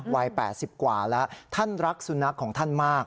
วัย๘๐กว่าแล้วท่านรักสุนัขของท่านมาก